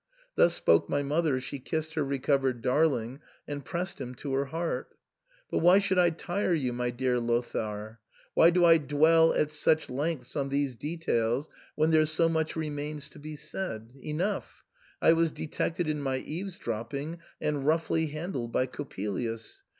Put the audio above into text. Thus spoke my mother, as she kissed her recovered darling and pressed him to her heart. But why should I tire you, my dear Lothair ? why do I dwell at such length on these de tails, when there's so much remains to be said ? Enough — I was detected in my eavesdropping, and roughly handled by Coppelius.